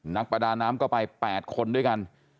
นักประดาน้ำก็ไป๘คนด้วยกัน